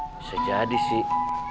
bisa jadi sih